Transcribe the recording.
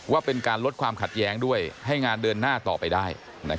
ว่าเป็นการลดความขัดแย้งด้วยให้งานเดินหน้าต่อไปได้